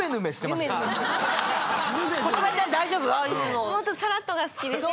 もっとさらっとが好きですね。